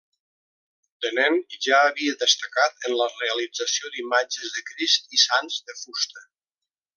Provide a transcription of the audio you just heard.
De nen ja havia destacat en la realització d'imatges de Crist i sants de fusta.